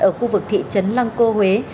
ở khu vực thị trấn lăng cô huế